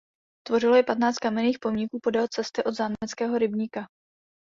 Tvořilo ji patnáct kamenných pomníků podél cesty od Zámeckého rybníka.